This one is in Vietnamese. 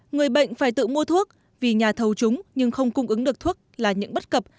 người bệnh phải tự mua thuốc vì nhà thầu chúng nhưng không cung ứng được thuốc là những bất cập